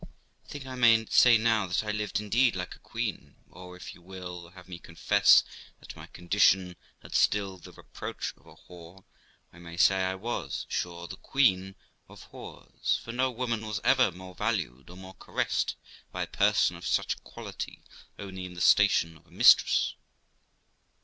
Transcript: I think I may say now that I lived indeed like a queen ; or, if you will have me confess that my condition had still the reproach of a whore, I may say I was, sure, the queen of whores ; for no woman was ever more valued or more caressed by a person of such quality only in the station of a mistress.